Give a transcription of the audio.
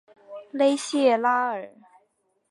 勒谢拉尔。